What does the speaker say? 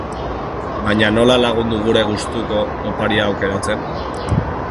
Baina nola lagundu gure gustuko oparia aukeratzen?